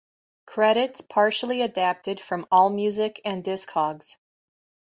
Credits partially adapted from AllMusic and Discogs.